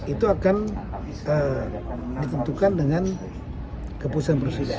itu akan ditentukan dengan keputusan presiden